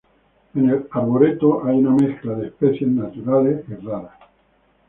En el arboreto hay una mezcla de especies naturales y raras.